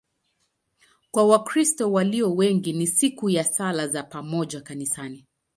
Kwa Wakristo walio wengi ni siku ya sala za pamoja kanisani.